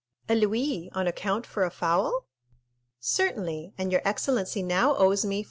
"A louis on account for a fowl?" "Certainly; and your excellency now owes me 4,999 louis."